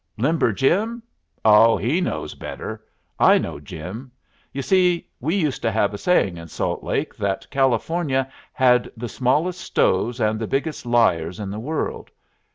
"Limber Jim? Oh, he knows better. I know Jim. You see, we used to have a saying in Salt Lake that California had the smallest stoves and the biggest liars in the world.